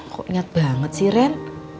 kok inget banget sih ren